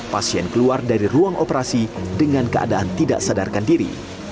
pasien keluar dari ruang operasi dengan keadaan tidak sadarkan diri